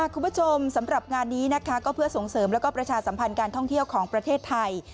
สำหรับงานนี้นะคะก็เพื่อส่งเสริมแล้วก็ประชาสัมพันธ์การท่องเที่ยวของประเทศไทย